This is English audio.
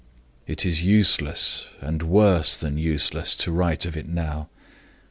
It is useless, and worse than useless, to write of it now.